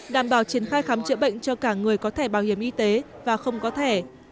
đảm bảo triển khai khám chữa bệnh cho cả người có thẻ bảo hiểm y tế và không có thẻ